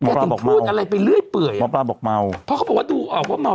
หมอป้าบอกเมาหมอป้าบอกเมาเพราะเขาบอกว่าดูออกว่าเมา